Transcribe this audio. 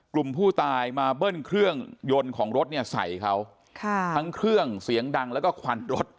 กลุ่มผู้ตายมาเบิ้ลเครื่องยนต์ของรถเนี่ยใส่เขาค่ะทั้งเครื่องเสียงดังแล้วก็ควันรถ